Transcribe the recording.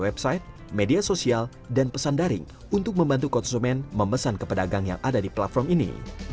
website media sosial dan pesan daring untuk membantu konsumen memesan ke pedagang yang ada di platform ini